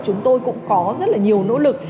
chúng tôi cũng có rất là nhiều nỗ lực